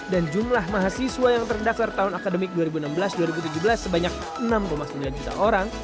dan jumlah mahasiswa yang terdaklar tahun akademik dua ribu enam belas dua ribu tujuh belas sebanyak enam sembilan juta orang